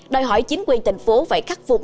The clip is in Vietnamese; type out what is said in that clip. đòi hỏi chính quyền thành phố phải khắc phục